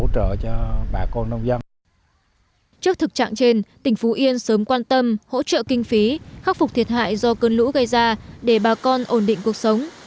trước thực trạng trên tỉnh phú yên sớm quan tâm hỗ trợ kinh phí khắc phục thiệt hại do cơn lũ gây ra để bà con ổn định cuộc sống